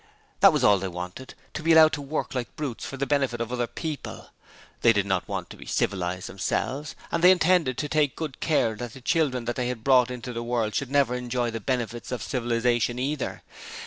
That was all they wanted to be allowed to work like brutes for the benefit of other people. They did not want to be civilized themselves and they intended to take good care that the children they had brought into the world should never enjoy the benefits of civilization either.